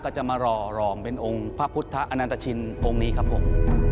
จะมารอรองเป็นองค์พระพุทธอนันตชินองค์นี้ครับผม